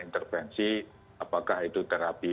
intervensi apakah itu terapi